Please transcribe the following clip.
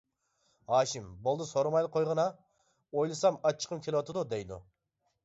ھاشىم: بولدى سورىمايلا قويغىنا، ئويلىسام ئاچچىقىم كېلىۋاتىدۇ دەيدۇ.